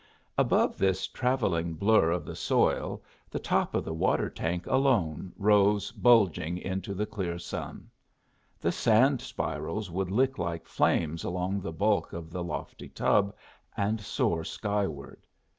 Above this travelling blur of the soil the top of the water tank alone rose bulging into the clear sun. The sand spirals would lick like flames along the bulk of the lofty tub, and soar skyward.